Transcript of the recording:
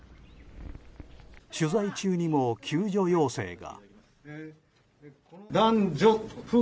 取材中にも、救助要請が。